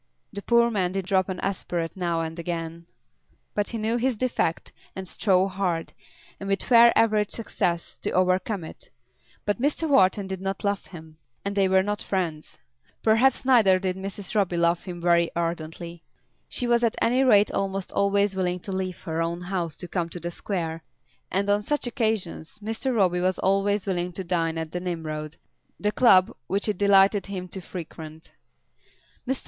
The poor man did drop an aspirate now and again; but he knew his defect and strove hard, and with fair average success, to overcome it. But Mr. Wharton did not love him, and they were not friends. Perhaps neither did Mrs. Roby love him very ardently. She was at any rate almost always willing to leave her own house to come to the Square, and on such occasions Mr. Roby was always willing to dine at the Nimrod, the club which it delighted him to frequent. Mr.